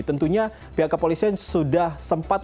tentunya pihak kepolisian sudah sempat